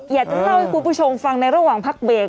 อยากจะเล่าให้คุณผู้ชมฟังในระหว่างพักเบรก